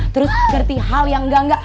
terus ngerti hal yang enggak enggak